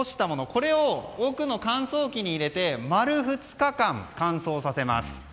これを奥の乾燥機に入れて丸２日間乾燥させます。